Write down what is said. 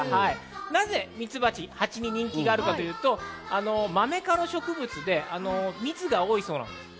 なぜミツバチ、ハチに人気があるかというと、マメ科の植物で蜜が多いそうです。